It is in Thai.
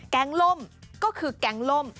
แก๊งล่มก็คือแก๊งล่ม